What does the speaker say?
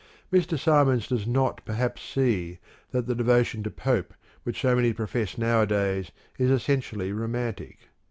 Mr. Symons does not perhaps see that the devotion to Pope which so many profess nowadays is essentially romantic.